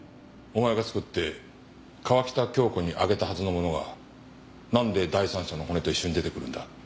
お前が作って川喜多京子にあげたはずのものがなんで第三者の骨と一緒に出てくるんだ？